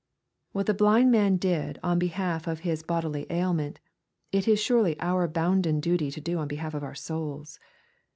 What the blind man did on behalf of his bodilyailment, it is surely our bounden duty to do on behalf of our souls.